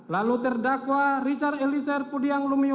lalu terdakwa rijal elisir pudihang lumio